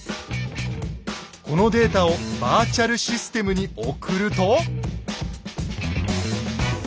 このデータをバーチャル・システムに送ると。